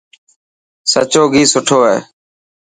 سچو گهي سٺو هي.